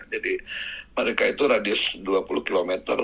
jadi mereka itu radius dua puluh km